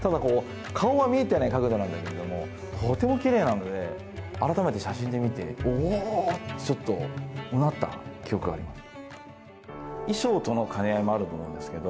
顔が見えてない角度なんだけどもとてもきれいなので改めて写真で見てうなった記憶があります。